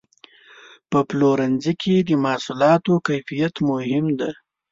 په پلورنځي کې د محصولاتو کیفیت مهم دی.